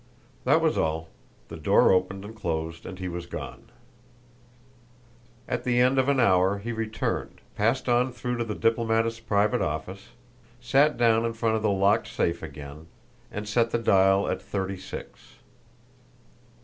That was all. The door opened and closed, and he was gone. At the end of an hour he returned, passed on through to the diplomatist's private office, sat down in front of the locked safe again, and set the dial at thirty six.